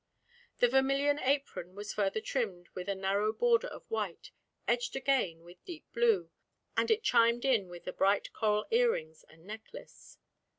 The vermilion apron was further trimmed with a narrow border of white, edged again with deep blue, and it chimed in with the bright coral earrings and necklace.